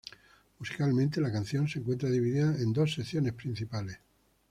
Musicalmente, la canción se encuentra dividida en dos secciones principales.